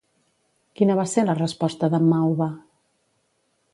Quina va ser la resposta d'en Mauva?